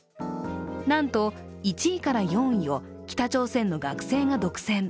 なんと１位から４位を北朝鮮の学生が独占。